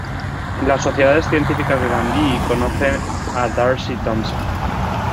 En las sociedades científicas de Dundee, conoce a D'Arcy Thompson.